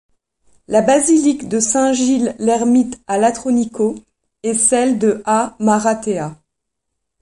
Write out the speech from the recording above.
La basilique de saint Gilles l'Ermite à Latronico et celle de à Maratea.